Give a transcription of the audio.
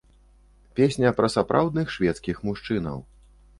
Песня пра сапраўдных шведскіх мужчынаў.